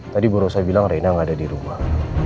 tadi bu rosa bilang rena nggak ada di rumah